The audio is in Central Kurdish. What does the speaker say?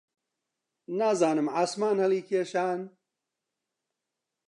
نازانم عاسمان هەڵیکێشان؟